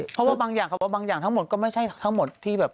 เพราะว่าบางอย่างคำว่าบางอย่างทั้งหมดก็ไม่ใช่ทั้งหมดที่แบบ